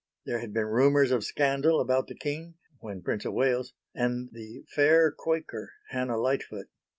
There had been rumours of scandal about the King (when Prince of Wales) and the "Fair Quaker," Hannah Lightfoot.